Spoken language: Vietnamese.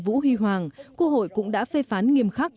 vũ huy hoàng quốc hội cũng đã phê phán nghiêm khắc